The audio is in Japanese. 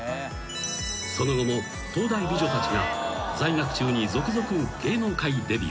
［その後も東大美女たちが在学中に続々芸能界デビュー］